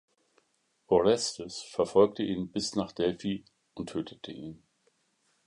Orestes verfolgte ihn bis nach Delphi und tötete ihn.